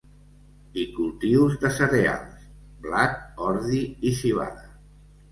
I cultius de cereals: blat, ordi i civada.